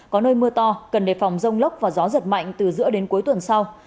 có nơi mưa to cần đề phòng rông lốc và gió giật mạnh từ giữa đến cuối tuần sau